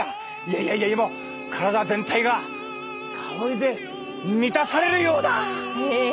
いやいや体全体が香りで満たされるようだ！え？